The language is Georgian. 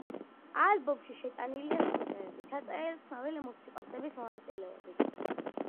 ალბომში შეტანილია სიმღერები, ჩაწერილი ცნობილი მუსიკოსების მონაწილეობით.